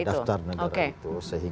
dari daftar negara itu